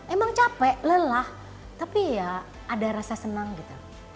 emang capek lelah tapi ya ada rasa senang gitu